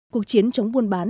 cuộc chiến chống vun bắn